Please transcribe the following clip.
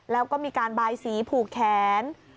แล้วก็มีการบายสีผูกแขน